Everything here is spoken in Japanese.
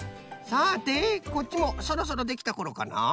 さてこっちもそろそろできたころかな？